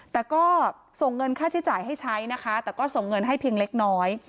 แต่ก็ส่งเงินค่าใช้จ่ายให้ใช้นะคะแต่ก็ส่งเงินให้เพียงเล็กน้อย